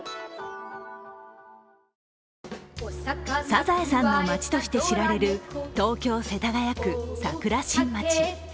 「サザエさん」の街として知られる東京・世田谷区桜新町。